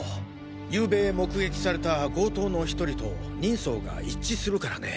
昨晩目撃された強盗の１人と人相が一致するからね。